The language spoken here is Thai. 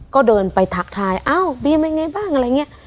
ก็เดินไปทักทายอ้าวบีมยังไงบ้าง